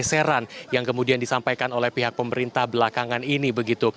pergeseran yang kemudian disampaikan oleh pihak pemerintah belakangan ini